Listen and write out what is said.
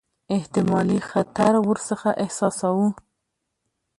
احتمالي خطر ورڅخه احساساوه.